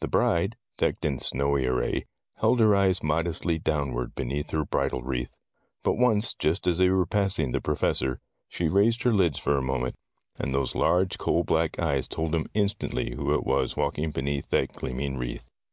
The bride, decked in snowy array, held her eyes modestly downward beneath her bridal wreath. But once, just as they were passing the Professor, she raised her lids for a moment, and those large coal black eyes told him instantly who it was walking beneath that gleaming wreath.